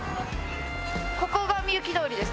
ここがみゆき通りです。